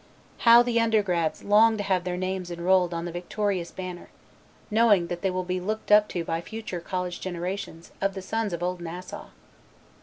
How the undergraduates long to have their names enrolled on the victorious banner, knowing that they will be looked up to by future college generations of the sons of Old Nassau!